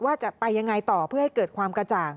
ว่าจะไปยังไงต่อเพื่อให้เกิดความกระจ่าง